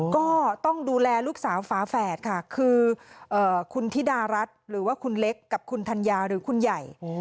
ก็ต้องดูแลลูกสาวฝาแฝดค่ะคือคุณธิดารัฐหรือว่าคุณเล็กกับคุณธัญญาหรือคุณใหญ่